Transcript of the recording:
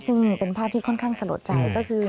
ซึ่งเป็นภาพที่ค่อนข้างสะลดใจก็คือ